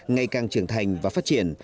ngày càng trưởng thành và phát triển